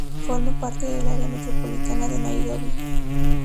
Forma parte del área metropolitana de Nairobi.